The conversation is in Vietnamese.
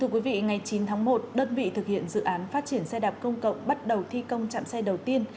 thưa quý vị ngày chín tháng một đơn vị thực hiện dự án phát triển xe đạp công cộng bắt đầu thi công trạm xe đầu tiên